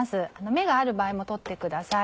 芽がある場合も取ってください。